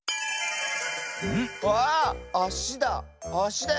わああしだ。